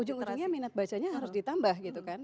ujung ujungnya minat bacanya harus ditambah gitu kan